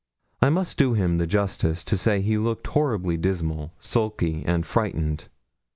I must do him the justice to say he looked horribly dismal, sulky, and frightened.